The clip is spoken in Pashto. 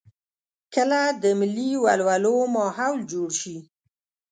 کله د ملي ولولو ماحول جوړ شي.